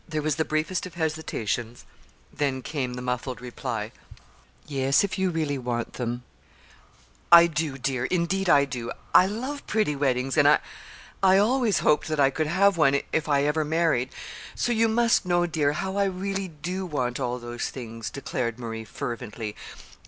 There was the briefest of hesitations, then came the muffled reply: "Yes if you really want them." "I do, dear indeed I do. I love pretty weddings, and I I always hoped that I could have one if I ever married. So you must know, dear, how I really do want all those things," declared Marie, fervently.